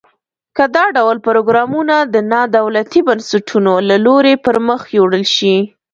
که دا ډول پروګرامونه د نا دولتي بنسټونو له لوري پرمخ یوړل شي.